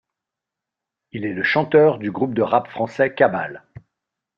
Il est le chanteur du groupe de rap français Kabal.